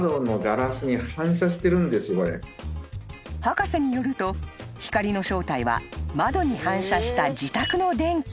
［博士によると光の正体は窓に反射した自宅の電気］